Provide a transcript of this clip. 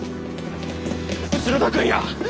後田君や！